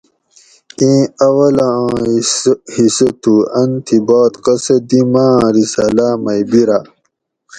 اِیں اول آں حصہ تھُو ان تھی باد قصہ دی ماۤ آۤں رِساۤلاۤ مئ بیراۤ